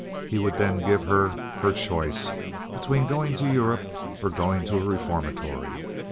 He would then give her her choice between going to Europe or going to a reformatory.